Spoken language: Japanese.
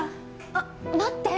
あっ待って。